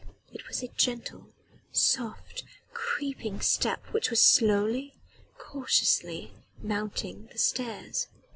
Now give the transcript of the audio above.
It was a gentle, soft, creeping step which was slowly, cautiously mounting the stairs.